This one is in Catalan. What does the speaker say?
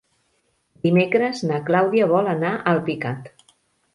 Dimecres na Clàudia vol anar a Alpicat.